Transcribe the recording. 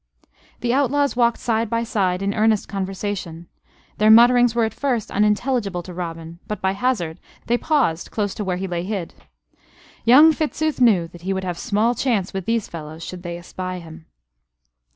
The outlaws walked side by side in earnest conversation. Their mutterings were at first unintelligible to Robin; but, by hazard, they paused close to where he lay hid. Young Fitzooth knew that he would have small chance with these fellows should they espy him.